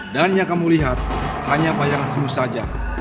dan yang kamu lihat hanya bayangan semu saja